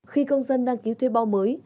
khi công dân đăng ký thuê bao mới